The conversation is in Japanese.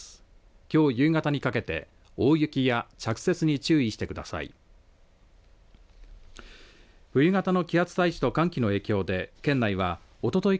きょう夕方にかけて大雪や着雪に注意してください。